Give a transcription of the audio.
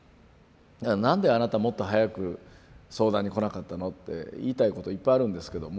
なんであなたもっと早く相談に来なかったのって言いたいこといっぱいあるんですけども。